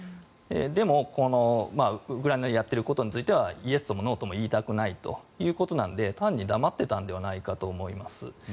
でもこのウクライナでやっていることについてはイエスともノーとも言いたくないということなので単に黙っていたのではないかと思います。